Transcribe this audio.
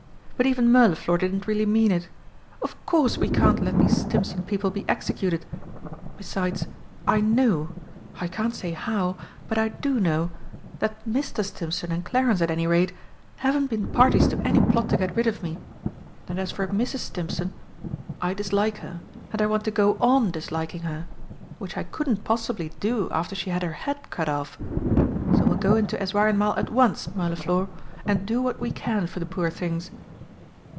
But even Mirliflor didn't really mean it! Of course we can't let these Stimpson people be executed. Besides, I know I can't say how, but I do know that Mr. Stimpson and Clarence, at any rate, haven't been parties to any plot to get rid of me. And as for Mrs. Stimpson, I dislike her, and I want to go on disliking her which I couldn't possibly do after she had her head cut off! So we'll go into Eswareinmal at once, Mirliflor, and do what we can for the poor things."